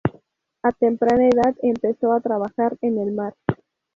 A temprana edad, empezó a trabajar en el mar.